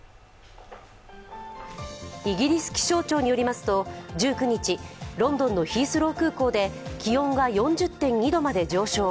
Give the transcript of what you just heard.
イギリス気象庁によりますと１９日、ロンドンのヒースロー空港で気温が４０．２度まで上昇。